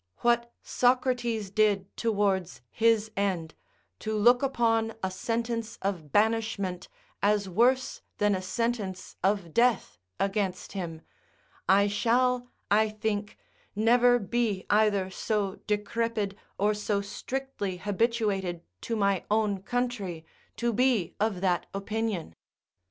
What Socrates did towards his end, to look upon a sentence of banishment as worse than a sentence of death against him, I shall, I think, never be either so decrepid or so strictly habituated to my own country to be of that opinion.